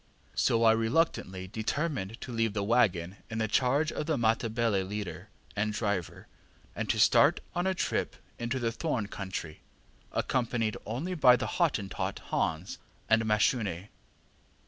So I reluctantly determined to leave the waggon in the charge of the Matabele leader and driver, and to start on a trip into the thorn country, accompanied only by the Hottentot Hans, and Mashune.